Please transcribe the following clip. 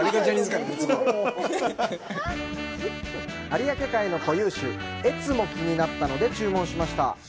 有明海の固有種エツも気になったので注文しました。